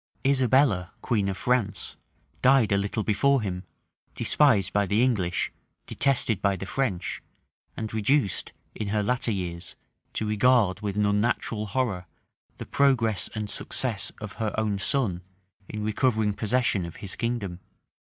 Isabella, queen of France, died a little before him, despised by the English, detested by the French, and reduced, in her latter years, to regard with an unnatural horror the progress and success of her own son, in recovering possession of his kingdom.